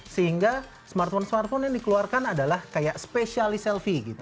sehingga smartphone smartphone yang dikeluarkan adalah kayak spesialis selfie gitu